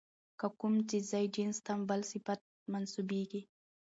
که کوم څيز ىا جنس ته بل صفت منسوبېږي،